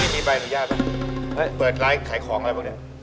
มีใบอนุญาตได้ไหม